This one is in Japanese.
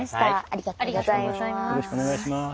ありがとうございます。